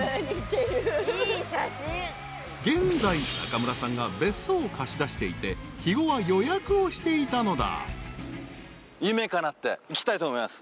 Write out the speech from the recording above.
［現在中村さんが別荘を貸し出していて肥後は予約をしていたのだ］